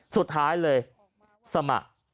สุดท้ายเลยสมัคร